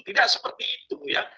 tidak seperti itu ya